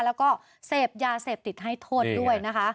แล้วก็เสพยาเสพติดให้โทษด้วยนะคะ